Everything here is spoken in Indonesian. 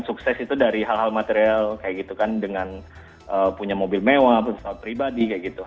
sukses itu dari hal hal material kayak gitu kan dengan punya mobil mewah bersama pribadi kayak gitu